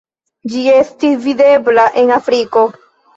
Ĝi estis videbla en Afriko.